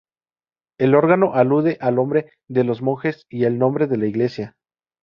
El órgano alude al nombre de los monjes y el nombre de la iglesia.